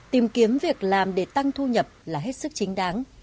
tìm kiếm việc làm để tăng thu nhập là hết sức chính đáng